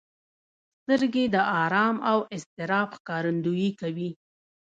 سترګې د ارام او اضطراب ښکارندويي کوي